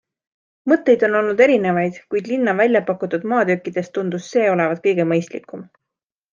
Mõtteid on olnud erinevaid, kuid linna väljapakutud maatükkidest tundus see olevat kõige mõistlikum.